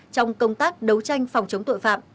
trong công tác đấu tranh phòng chống tội phạm